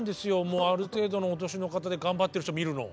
もうある程度のお年の方で頑張ってる人見るの。